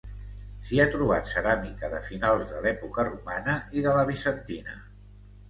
S'hi ha trobat ceràmica de finals de l'època romana i de la bizantina.